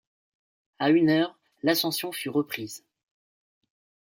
À une heure, l’ascension fut reprise.